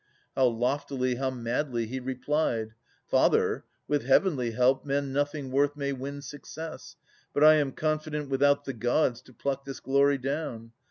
How loftily, how madly, he replied ! "Father, with heavenly help men nothing worth May win success. But I am confident Without the Gods to pluck this glory down."